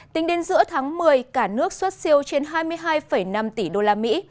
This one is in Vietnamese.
tính đến giữa tháng một mươi cả nước xuất siêu trên hai mươi hai năm tỷ usd